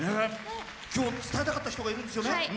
今日、伝えたかった人がいるんだよね。